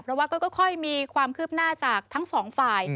เพราะว่าก็ค่อยมีความคืบหน้าจากทั้งสองฝ่าย